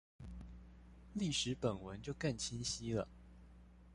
歷史本文就更清晰了